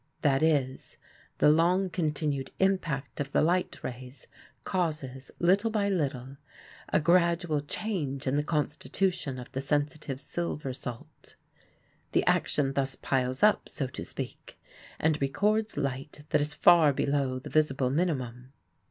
That is, the long continued impact of the light rays causes, little by little, a gradual change in the constitution of the sensitive silver salt. The action thus piles up, so to speak, and records light that is far below the visible minimum.